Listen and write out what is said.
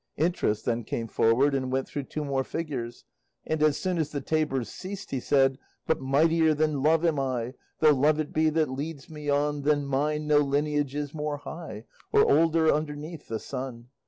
Interest then came forward and went through two more figures, and as soon as the tabors ceased, he said: But mightier than Love am I, Though Love it be that leads me on, Than mine no lineage is more high, Or older, underneath the sun.